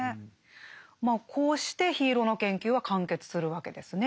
まあこうして「緋色の研究」は完結するわけですね。